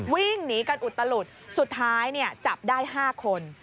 วิ่งหนีกันอุตลุดสุดท้ายจับได้๕คน